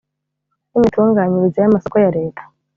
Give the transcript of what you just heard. n imitunganyirize y amasoko ya Leta